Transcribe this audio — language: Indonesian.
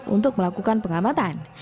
untuk melakukan penolakan